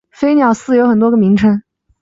飞鸟寺有很多个名称。